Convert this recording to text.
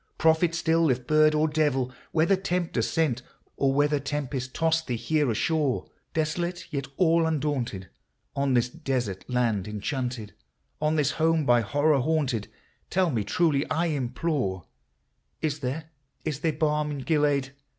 — prophet still, if bird or devil ! Whether tempter sent, or whether tempest tossed thee here ashore, Desolate yet all undaunted, on this desert land enchanted, — On this home by horror haunted, — tell me truly, I implore, — Is there — is there balm in Gilead